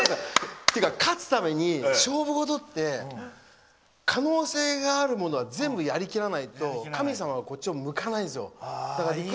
勝つために、勝負事って可能性があるものは全部やりきらないと神様がこっちを向かないんですよ。